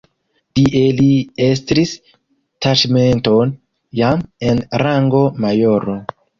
Tie li estris taĉmenton jam en rango majoro.